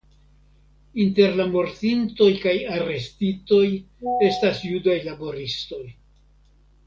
Inter la mortintoj kaj arestitoj estas judaj laboristoj.